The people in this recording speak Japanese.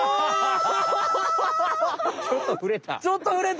ちょっとふれた。